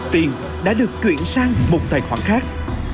tiền đã được chuyển sang một tài khoản khác